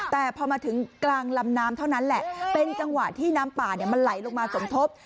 แต่พอมาถึงกลางลำน้ำเท่านั้นแหละเป็นจังหวะที่น้ำป่ามันไหลลงมาสมทบ